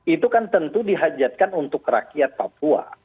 itu kan tentu dihajatkan untuk rakyat papua